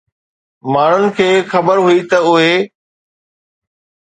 ماڻهن کي خبر هئي ته اهي